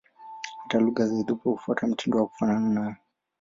Hata lugha za Ethiopia hufuata mtindo wa kufanana nayo.